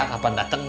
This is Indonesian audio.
kapan datang kan